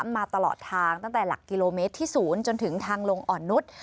มาตลอดทางตั้งแต่หลักกิโลเมตรที่๐จนถึงทางลงอ่อนนุษย์